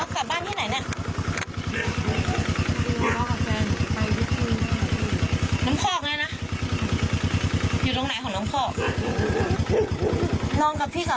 คนละเมืองดีน่ารักมากนะคะ